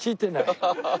ハハハハ！